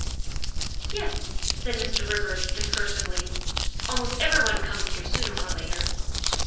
" Yes," said Mr. Rivers discursively, " almost every one comes here sooner or later.